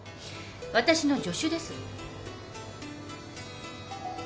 私の助手です。